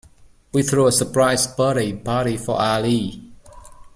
We threw a surprise birthday party for Ali.